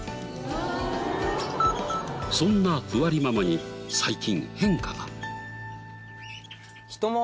そんなふわりママに最近変化が。